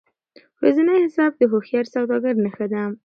ورځنی حساب د هوښیار سوداګر نښه ده.